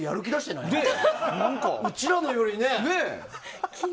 うちらのよりね。